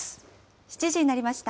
７時になりました。